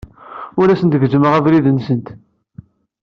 Ur asent-gezzmeɣ abrid-nsent.